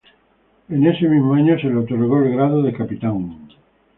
En ese mismo año se le otorgó el grado de Capitán.